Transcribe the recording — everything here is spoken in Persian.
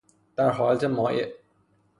در حالت مایع